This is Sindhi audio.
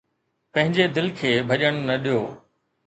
پنهنجي دل کي ڀڄڻ نه ڏيو